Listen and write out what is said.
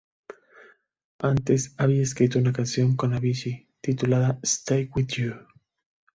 Antes había escrito una canción con Avicii titulada "Stay with You".